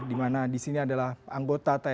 dimana disini adalah anggota tni